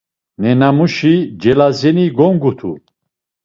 Nenamuşi Celazeni gongutu.